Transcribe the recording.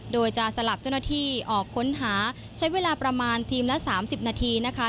โดยจะสลับเจ้าหน้าที่ออกค้นหาใช้เวลาประมาณทีมละ๓๐นาทีนะคะ